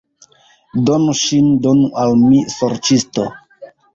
Donu ŝin, donu al mi, sorĉisto!